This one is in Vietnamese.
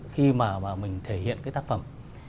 khi mà mình thể hiện cái tác phẩm